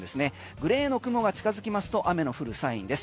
グレーの雲が近付きますと雨の降るサインです。